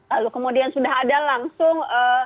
lalu kemudian sudah ada langsung